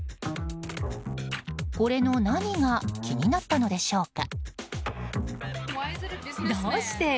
これの何が気になったのでしょうか。